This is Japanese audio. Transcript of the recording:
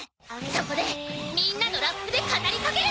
そこでみんなのラップで語りかけるんだ！